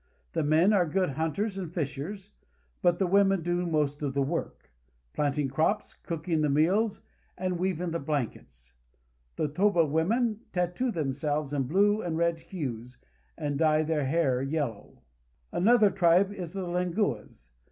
The men are good hunt ers and fishers, but the women do most of the work, planting the crops, cooking the meals, and weaving the blankets. The Toba women tatoo themselves in blue and red Hues, and dye their hair yellow. Another tribe is the Lenguas.